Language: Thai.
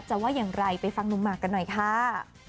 ว่าอย่างไรไปฟังหนุ่มหมากกันหน่อยค่ะ